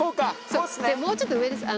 そうもうちょっと上です。